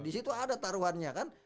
disitu ada taruhannya kan